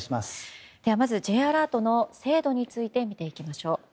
まずＪアラートの制度についてみていきましょう。